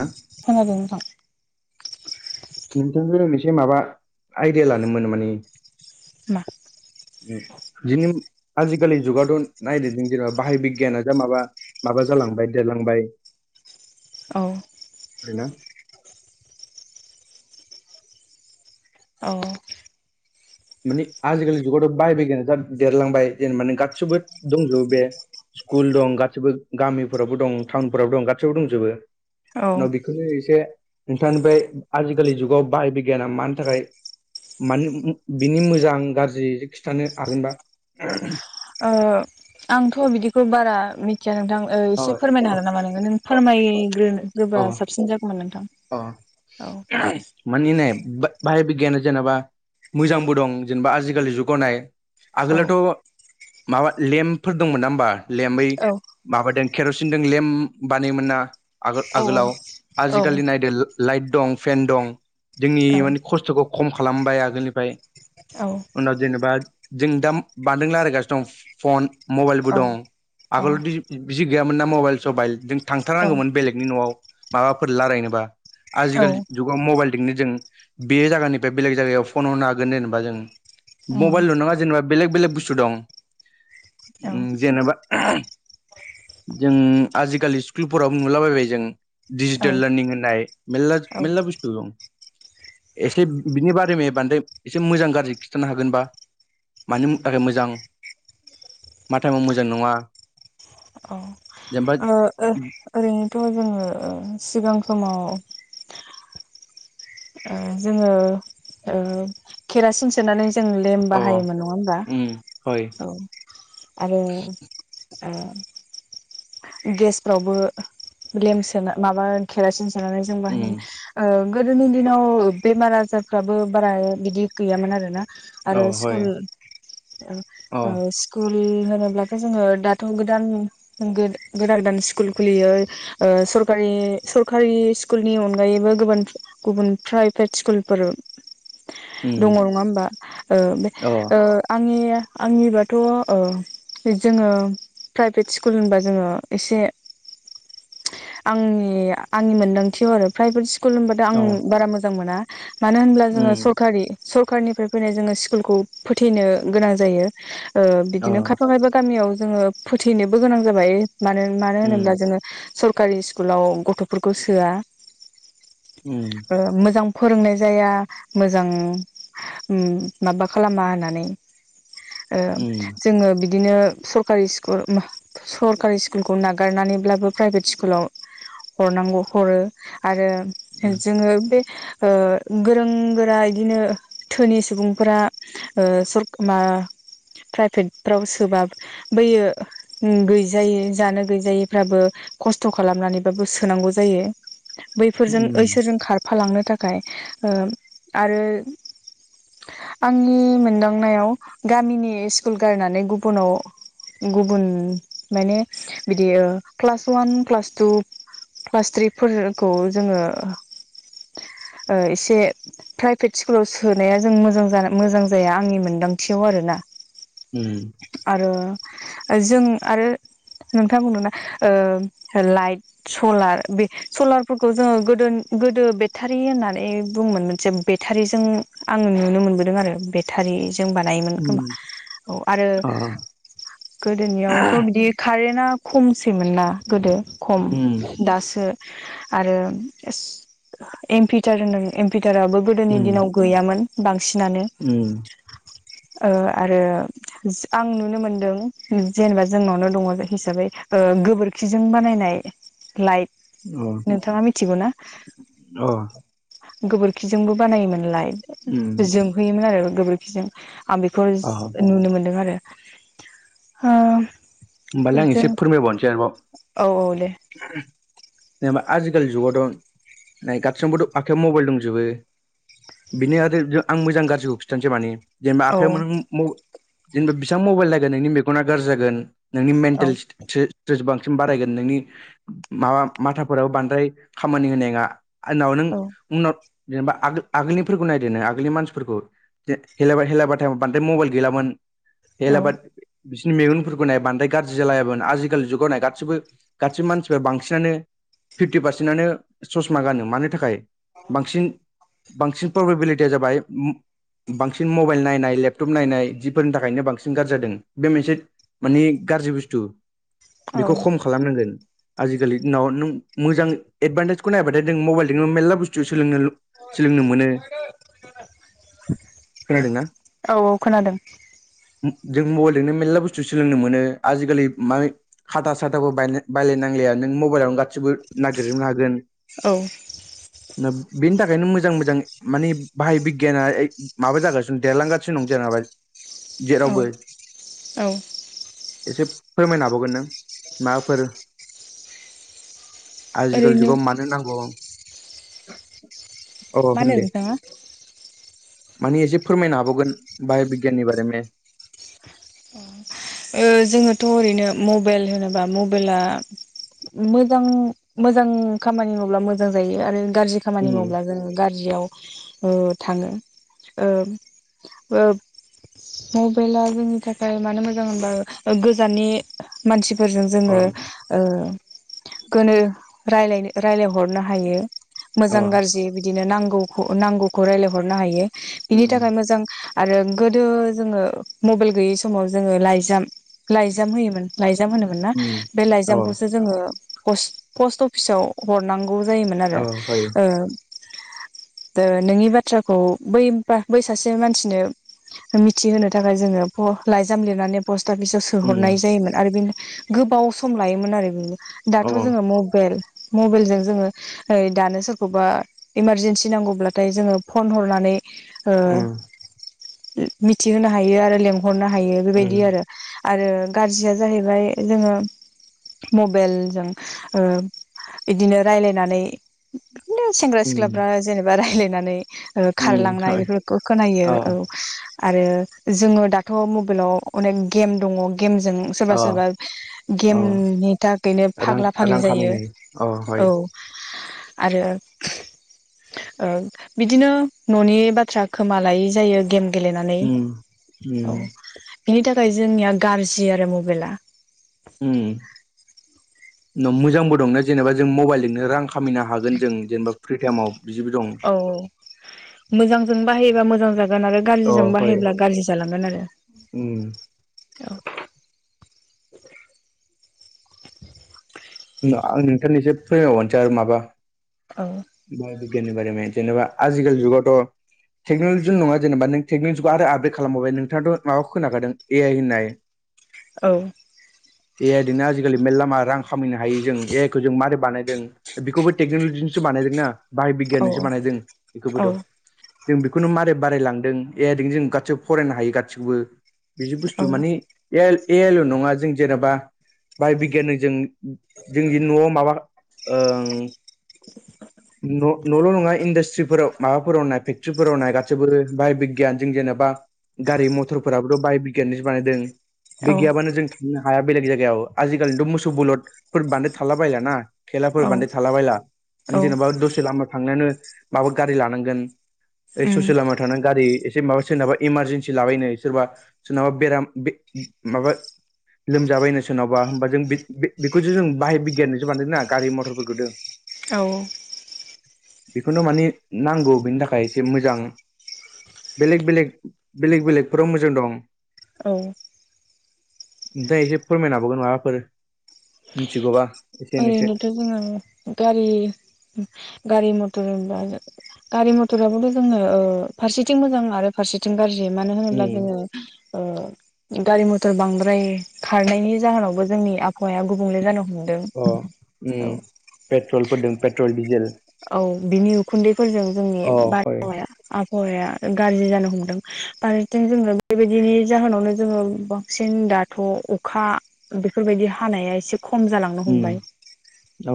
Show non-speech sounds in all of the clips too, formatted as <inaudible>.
ना खोनादो नोंथां नोंथांजों मोनसे माबा आइदिया लानोमोन माने मा? औ इदिनो आजिखालि जुगाथ' नायदिरदों जेनेबा बाहाय बिगियाना जा माबा माबा जालांबाय देरलांबाय औ बे ना औ मानि आजिखालि जुगावथ' बाहायबायगानो जा देरलांबाय जेनेबानो गासिबो दंजोबो बे स्कुल दं गासिबो गामिफोरावबो दं टाउनफोराव दं गासिबो दंजोबो। औ उनाव ओ बेखौनो एसे नोंथांनिफ्राय आजिखालि जुगाव बाहाय बिगियाना मानि थाखाय मान बिनि मोजां गाज्रि खिन्थानो हागोनबा? ओ आंथ' बिदिखौ बारा मिथिया नोंथां अ एसे फोरमायनो हागोन नामा नोङो नों फोरमायग्रोनो अ गोबा साबसिन जागौमोन नोंथां। अ औ <inaudible> मानि नाय बाहाय बिगियाना जेनेबा मोजांबो दं जेनेबा आजिखालि जुगाव नाय औ आगोलावथ' माबा लेम्पफोर दंमोन ना होमबा लेम्प बै औ माबादों केर'सिनजों लेम्प बानायोमोन ना आगो औ आगोलाव औ आजिखालि नायदो लाइट दं फेन दं जोंनि मानि खस्थ'खौ खम खालामबाय आगोलनिफ्राय। औ उनाव जेनेबा जों दा बानदों लायरखयगासिनो दं फन मबाइलबो दं औ आगोलाव दि बिदि गैयामोन ना मबाइल सबाइल जों औ थांथारनांगौमोन बेलेग नि न'आव माबाफोर रायलायनोबा औ आजिखालि जुगाव मबाइलजोंंनो जों बे जगानिफ्राय बेलेग जायगायाव फन हरनो हागोन जेनेबा जों उम मबाइलल' नाङा जेनेबा बेलेग बेलेग बुस्थु दं। औ जेनेबा जों आजिखालि स्कुलफोरावबो नुलाबायबाय जों औ डिजिटेल लार्निं होननाय मेलला औ मेलला बुस्थु दं। एसे बिनि बारै मे बांदो एसे मोजां गाज्रि खिन्थानो हागोनबा? मानि थाखाय मोजां मा टाइमाव मोजां नङा जेनेबा औ ओरैनोथ' जोङो सिगां समाव जोङो केरासिन सोनानै जों लेम अ बाहायोमोन नङा होमबा उम हय औ आरो गेसफ्रावबो लेमप सोना माबा केरासिम सोनानै जों उम बाहाय गोदोनि दिनाव बेमार आजारफ्राबो बारा बिदि गैयामोन आरोना। अ आरो हय अ स्कुल स्कुल होनोब्लाथ' जोङो दाथ' गोदान गोदान गोदान स्कुल खुलियो सरकारि सरकारि स्कुलनि अनगायैबो गुबुन गुबुन प्राइभेट स्कुलफोर दङ उम नङा होमबा अ ओ आंनि आंनिबाथ' जोङो प्राइभेट स्कु स्कुल होनबा जोङो एसे आंनि आंनि मोनदांथियाव आरो प्राइभेट स्कुल होनबथाय आं अ बारा मोजां मोना मानो होनब्ला जोङो उम सरकारि सरखारनिफ्राय फैनाय जोङो स्कुलखौ फोथैनो गोनां जायो। अ बिदिनो खायफा खायफा गामियाव जोङो फोथैनोबो गोनां जाबाय मानो मानो होनोब्ला उम जोङो सरकारि स्कुलाव गथ'फोरखौ सोआ उम मोजां फोरोंनाय जाया मोजां। माबा खालामा होननानै। ओ उम जोङो बिदिनो सरकारि स्कुल सरकारि स्कुलखौ नागारनानैब्लाबो प्राइभेट स्कुलाव हरनांगौ हरो। आरो जोङो बे ओ गोरों गोरा इदिनो थोनि सुबुंफोरा मा प्राइभेटफ्राव सोबा बैयो गैजायै जानो गैजायैफ्राबो खस्थ' खालामनानैबाबो सोनांगौ जायो। बैफोरजों उम ओइसोरजों खारफालांनो थाखाय आरो आंनि मोनदांनायाव गामिनि स्कुल गारनानै गुबुनाव गुबुन माने बिदि क्लास वान क्लास टु प्लासट्रिकफोरखौ जोङो एसे प्राइभेट स्कुलाव सोनाया जों मोजां मोजां जाया आंनि मोन्दांथियाव आरो ना। उम। आरो जों आरो नोंथां बुंदोंना ओ लाइट सलार बे सलारफोरखौ जोङो गोदो गोदो बेटारि होननानै बुङोमोन मोनसे बेटारिजों आं नुनो मोनबोदों आरो बेटारि जों बानायोमोन खोमा उम औ आरो अ गोदोनियाव थ' बिदि कारेन्टआ खमसैमोनना गोदो खम उम दासो आरो एम्पिटार होनदों एम्पिटाराबो गोदोनि उम दिनाव गैयामोन बांसिनानो। उम। ओ आरो आं नुनो मोनदों जेनबा जोंनावनो दङ हिसाबै ओ गोबोरखिजों बानायनाय लाइट औ। नोंथाङा मिथिगौ ना? अ। गोबोरखिजोंबो बानायोमोनलाय उम जोंहोयोमोन आरो गोबोरखिजों। आं बेखौ अ नुनो मोनदों आरो। होमबालाय आं जों एसे फोरमायबावनोसै आरोबाव। औ दे जेनेबा आजिखालि जुगावथ' नै गासिनबोथ' आखाइयाव मबाइल दंजोबो। बिनि आरो आं मोजां गाज्रिखौ खिन्थानोसै माने जेनेबा औ आखाइयाव मोन म-जेनेबा बेसिबां मबाइल लागोन नोंनि मेगना गाज्रि जागोन। नोंनि औ मेन्टेलस सो जेसेबांसिम बारायगोन नोंनि माबा माथाफोराबो बांद्राय खामानि होनायङा। आनाव नों उनाव जेनेबा आगोल आगोलनिफोरखौ नायदो नों मानसिफोरखौ। हे-हेला हेलाबाथाइ बांद्राय मबाइल गैलामोन औ हेलाबाद बिसिनि मेगनफोरखौ नाय बा थाय गाज्रि जाला याबोन आजिखालि जुगावनो गासिबो गासिबो मानसिफ्रा बांसिनानो फिफ्टि पारसेन्टनो ससमा गानो मानो थाखाय बांसिन बांसिन प्रबिबिलिटिया जाबाय बांसिन मबाइल नायनाय लेपटप नायनाय जिफोरनि थाखायनो बांसिन गारजि जादों बे मोनसे माने गाज्रि बुस्थु औ बेखौ खम खालामनांगोन। आजिखालि नाव नों मोजां एदभान्टेजखौ नायबाथाय नों मबाइलजों मेर्ला बुस्थु सोलोंनो सोलोंनो मोनो खोनादों ना? औ औ खोनादों जों मबाइलजोंनो मेरला बुस्थु सोलोंनो मोनो। आजिखालि माने हाथा साथाबो बायनो बायलाय नांलाया नों मबाइलावनो ला गासिबो नागिरजोबनो हागोन। औ बेनि थाखायनो मोजां मोजां माने बाहाय बिगियाना माबा जागासिनो देरलांगासिनो दं जेनबा औ औ। एसे फोरमायनो हाबावगोन नों माबाफोर आजिखालि ओरैनो जुगाव मानो नांगौ अ मा होनो होनदे। नोंथाङा मानि एसे फोरमायनो हाबावगोन बाय' बिगियाननि बारैनो। ओ जोङोथ' ओरैनो मबाइल होनोब्ला मबाइला मोजां मोजां खामानि मावब्ला मोजां जायो आरो गाज्रि खामानि उम मावब्ला जों गारज्रियाव ओ थाङो ओ ओ मबाइला जोंनि थाख ओ मानो मोजां होनबा गोजाननि मानसिफोरजों अ जोङो ओ गोनो रायलाय रायलायहरनो हायो अ मोजां गाज्रि बिदि बिदिनो नांगौ नांगौखौ रायलायहरनो हायो बिनि उम थाखाय मोजां आरो गोदो जोङो मबाइल गैयै समाव जोङो लाइजाम लाइजाम होयोमोन। लाइजाम होनोमोन ना उम बे अ लाइजामखौसो जोङो पष्ट पष्ट अफिसाव हरनांगौ जायोमोन अ आरो ओ ओ नोंनि बाथ्राखौ बैबा बै सासे मानसिनो मिथिहोनो थाखाय जोङो फ लाइजाम लिरनानै पस्टाफिसाव उम सोहरनाय जायोमोन आरो बेनो गोबाव सम लायोमोन आरो बिनो अ दाथ' जोङो मबाइल मबाइलजों जोङो ओय दानो सोरखौबा इमारजेनसि नांगौब्लाथाय जोङो फन हरनानै ओ‌ उम मिथिहोनो हायो आरो लेंंहरनो हायो बेबायदि उम आरो। आरो गाज्रिया जाहैबाय जोङो मबाइलजों ओ बिदिनो रायलायनानै बिदिनो सेंग्रा उम सिख्लाफ्रा जेनेबा रायलायनानै ओ उम खारलांनाय बेफोरखौ खोनायो अ औ आरो जोङो दा थ' मबाइलाव अनेक गेम दङ गेमजों सोरबा अ सोरबा अ गेमनि थाखायनो रां फाग्ला फाग्लि रां जायो खामायनाय अ औ। आरो ओ बिदिनो न'नि बाथ्रा खोमा लायै जायो गेम गेलेनानै। उम उम औ बिनि थाखाय जोंनिया गाज्रि आरो मबाइला। उम मोजांबो दंना जेनेबा जों मबाइलजोंनो रां खामिनो हागोन जों जेनेबा फ्रि टाइमाव बिदिबो दं। औ औ मोजांजों बाहायोबा मोजां जागोन आरो अ गाज्रिजों हय बाहायोब्ला गाज्रि जालांगोन आरो। उम। <unintelligible> आं नोंथांनो एसे फोरमायवानोसै आरो माबा औ। बाय' बिगियाननि बारे जेनेबा आजिखालि जुगावथ' टेक्नलजिल' नङा जेनेबा नों टेक्नलजिखौ आरो आपदेट खालामबावबाय नोंथाङाथ' माबाखौ खोनाखादों ए आइ होननाय? औ। ए आइ जोंनो आजिखालि मेर्ला मा रां खामायनो हायो जों ए आइ खौ जों मारै बानायदों बेखौबो टेक्न'लजिजोंसो बानायदोंना बाहाय बिगियानजोंसो बानायदों औ बेखौबोथ'। जों बेखौनो मारै बारायलांदों एदिनो जों गासिबो फरायनो हायो गासिखौबो। बिदि बुस्थु माने औ ए आइ ए आइल' नङा जों जेनेबा बाहाय बिगियान जों जोंदि न'आव माबा ओं <inaudible> न' न'ल' नङा इन्डास्ट्रिफोराव माबाफोराव नाय फेक्ट्रिफोराव नाय गासैबो बाहाय बिगियान जों जेनेबा गारि मथ'र फोराबोथ' बाय बिगियजोंसो बानायदों। बे औ गैयाबानो जों थांनो हाया बेलेग जायगायाव आजिखालिनिथ' मोसौ बलद फोर बान्दाय थाला बायलाना थेलाफोर औ बान्दाय थाला बायला नों औ जेनेबा दसे लामा थांनोनो माबा गारि लानांगोन ओइ ससे उम लामा थांनानै गारि एसे माबा सोरनाबा इमारजेन्सि लाबायनो सोरबा सोरनाबा बेराम बे माबा लोमजाबायनो सोरनावबा होमबा जों बे-बे-बेखौसो जों बाहाय बिगियानजोंसो बानदों ना गारि मथरफोरखौथ'। औ। बेखौनो माने नांगौ बेनि थाखाय एसे मोजां बेलेक बेलेक बेलेग बेलेगफोराव मोजां दं। औ। नोंथाङा एसे फोरमायनो हाबावगोन माबाफोर मिथिगौबा एसे एनैसै। ओरैनोथ' जोङो गारि गारि मथर होनबा गारि मथराबोथ' जोङो ओ‌ फारसेथिं मोजां आरो फारसेथिं गाज्रि मानो होनोब्ला उम जोङो गारि मथर बांद्राय खारनायनि जाहोनावबो जोंनि आफ हौवाया गुबुंले जानो हमो अ उम पेट्रल <unintelligible> पेट्रल डिजेल औ बिनि उखुन्दैफोरजों जोंनि अ हय बारहावाया आबहावाया गाज्रि जानो हमदों फारसेथिं जोङो बेबायदिनि जाहोनावनो जोङो बांसिन दा थ' अखा बेफोरबायदि हानाया एसे खम जालाां ह उम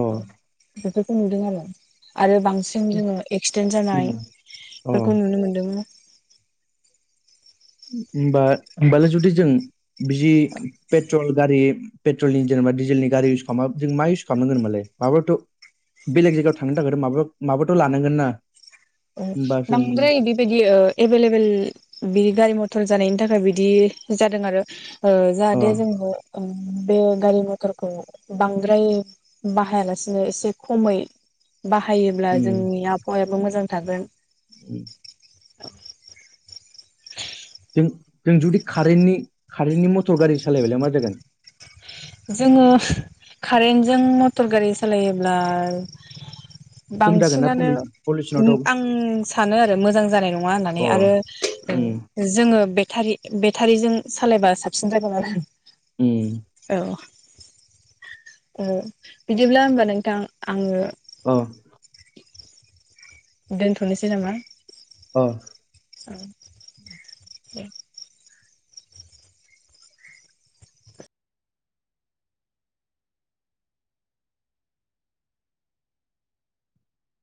अ नु आरो बांसिन जों जोङो एक्सिडेन्ट उम अ जानायफोरखौ नुनो मोन्दों हबा होमबालाय जुदि जों बिदि पेट्रल गारि पेट्रलनि जेनेबा डिजेलनि गारि इउस खालामबा जों मा इउस खालामनांगोन मालाय माबथ' बेलेग जायगायाव थांनो थाखायथ' मा माबाथ' लानांगोन ना औ होमबा जों नम बिदि बिदि एभेलेबेल बिदि गारि मथर जानायनि थाखाय बिदि जादों आरो अ जाहाथे जों बे गारि मथरखौ बांद्राय बाहायालासिनो एसे खमै बाहायोब्ला उम जोंनि आबहावायाबो मोजां थागोन उम जों जुदि कारट कारेन्टनि मटर गारि सालायबलाय मा जागोन जोङो कारेन्टजों मटर गारि सालायोब्ला खम जागोन ना बांसिनानो पलि पलिउसनाथ' अ आं सानो आरो मोजां जानाय नङा होननानै उम आरो जोङो बेारि बेटारिजों सालायबा साबसिन जाबाय आरो उ औ औ बिदिब्ला होमबा नोंथां आङो अ दोनथ'नोसै नामा औ औ <unintelligible>